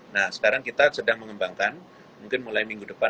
nah sekarang kita sedang mengembangkan mungkin mulai minggu depan atau dua minggu depan